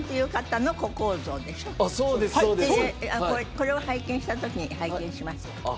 これを拝見した時に拝見しました。